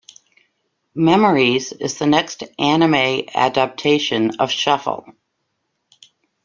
Memories" is the next anime adaptation of "Shuffle!